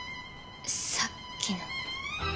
さっきの。